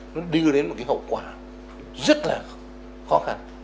nó đi đến một cái hậu quả rất là khó khăn